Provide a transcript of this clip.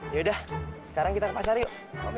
yaudah sekarang kita ke pasar yuk